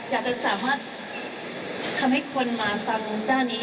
อยากจะสามารถทำให้คนมาฟังด้านนี้